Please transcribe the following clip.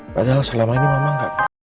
padahal selama ini memang gak